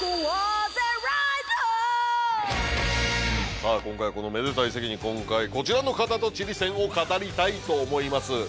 さあ、今回このめでたい席に今回、こちらの方とチリ戦を語りたいと思います。